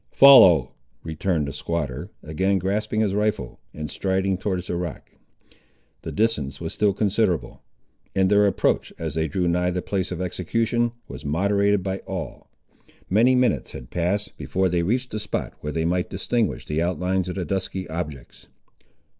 "Follow," returned the squatter, again grasping his rifle, and striding towards the rock. The distance was still considerable; and their approach, as they drew nigh the place of execution, was moderated by awe. Many minutes had passed, before they reached a spot where they might distinguish the outlines of the dusky objects.